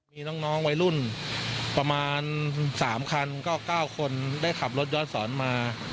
มีน้องวัยรุ่นประมาณ๓คันก็๙คนได้ขับรถย้อนสอนมา